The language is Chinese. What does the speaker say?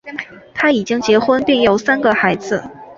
他已经结婚并有三个孩子。